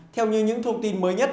theo như những thông tin mới nhất